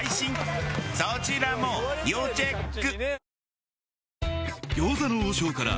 そちらも要チェック。